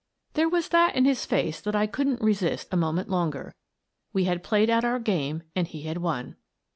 " There was that in his face that I couldn't resist a moment longer. We had played out our game and he had won.